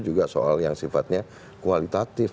juga soal yang sifatnya kualitatif